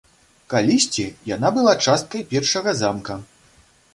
Калісьці яна была часткай першага замка.